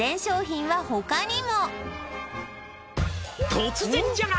「突然じゃが」